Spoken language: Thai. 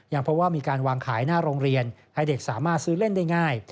เพราะว่ามีการวางขายหน้าโรงเรียนให้เด็กสามารถซื้อเล่นได้ง่าย